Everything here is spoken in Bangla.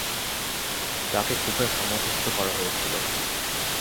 তাকে কুফায় সমাধিস্থ করা হয়েছিল।